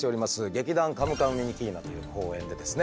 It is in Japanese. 劇団カムカムミニキーナという公演でですね